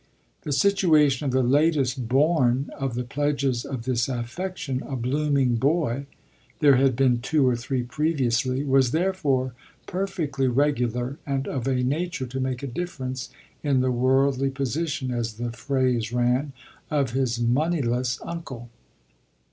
The situation of the latest born of the pledges of this affection, a blooming boy there had been two or three previously was therefore perfectly regular and of a nature to make a difference in the worldly position, as the phrase ran, of his moneyless uncle.